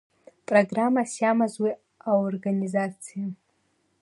Программас иамаз уи аорганизациа?